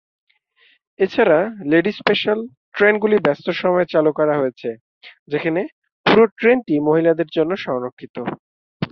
এছাড়াও, "ladies special" ট্রেনগুলি ব্যস্ত সময়ে চালু করা হয়েছে, যেখানে পুরো ট্রেনটি মহিলাদের জন্য সংরক্ষিত।